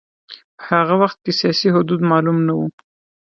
په هغه وخت کې سیاسي حدود معلوم نه و.